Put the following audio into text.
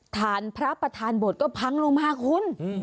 ฐานพระประธานบทก็พังลงมาคุณ